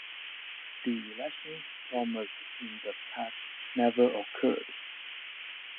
The elections promised in the pact never occurred.